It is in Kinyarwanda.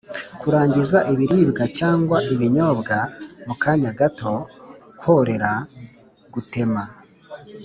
kurangiza ibiribwa cyangwa ibinyobwa mu kanya gato, korera, gutema